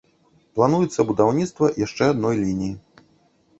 Плануецца будаўніцтва яшчэ адной лініі.